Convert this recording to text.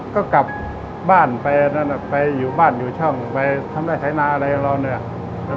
ก็กลับบ้านไปอยู่ช่องไปทำได้ไทนาอะไรอย่างนั้น